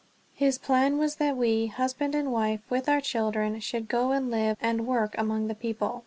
His plan was that we husband and wife, with our children should go and live and work among the people.